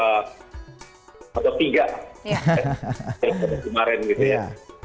dari pilihan kemarin gitu ya